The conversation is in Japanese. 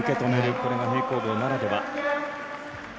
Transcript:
これが平行棒ならでは。